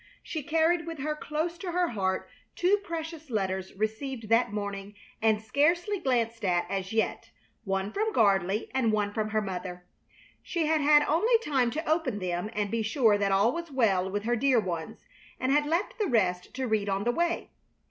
She carried with her close to her heart two precious letters received that morning and scarcely glanced at as yet, one from Gardley and one from her mother. She had had only time to open them and be sure that all was well with her dear ones, and had left the rest to read on the way.